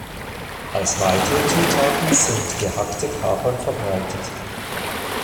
Als weitere Zutaten sind gehackte Kapern verbreitet.